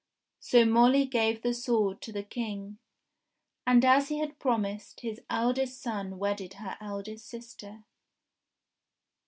So Molly gave the sword to the King, and, as he had promised, his eldest son wedded her eldest sister.